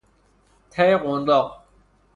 ته قنداق